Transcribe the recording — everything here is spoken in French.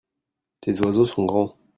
tes oiseaux sont grands.